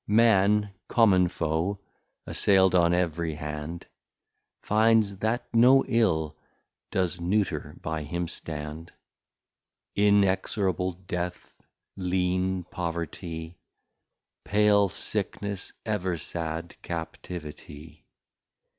Man, Common Foe, assail'd on ev'ry hand, Finds that no Ill does Neuter by him stand, Inexorable Death, Lean Poverty, Pale Sickness, ever sad Captivity.